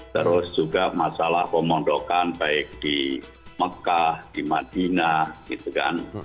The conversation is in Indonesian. terus juga masalah pemondokan baik di mekah di madinah gitu kan